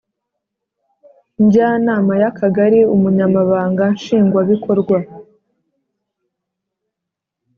Njyanama y Akagari Umunyamabanga nshingwabikorwa